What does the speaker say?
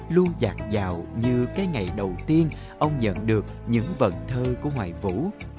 luôn giạc dạo như cái ngày đầu tiên ông nhận được những vận thơ của hoài vũ